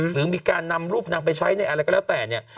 หรือมีการนำรูปนางไปใช้ในอะไรก็แล้วแต่เนี่ย